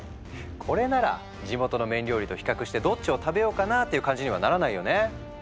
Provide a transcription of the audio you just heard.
これなら地元の麺料理と比較してどっちを食べようかな？っていう感じにはならないよね。